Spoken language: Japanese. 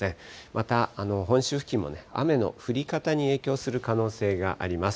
また、本州付近も雨の降り方に影響する可能性があります。